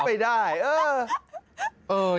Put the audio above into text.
คิดไปได้เออ